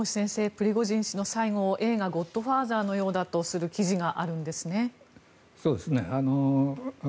プリゴジン氏の最期を映画「ゴッドファーザー」のようだとする記事があるんですね。